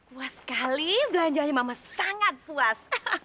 puas sekali belanjanya mama sangat puas